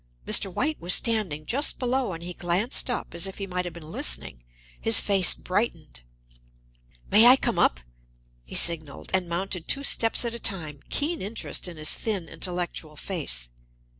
Mr. White was standing just below, and he glanced up, as if he might have been listening. His face brightened. "May I come up?" he signaled, and mounted two steps at a time, keen interest in his thin, intellectual face.